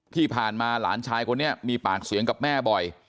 ที่ผ่านมาหลานชายคนนี้มีปากเสียงกับแม่บ่อย